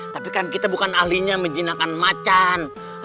tapi kan kita bukan ahlinya menjinakkan macan